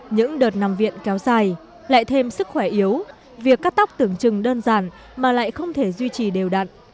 những đợt nằm viện kéo dài lại thêm sức khỏe yếu việc cắt tóc tưởng chừng đơn giản mà lại không thể duy trì đều đặn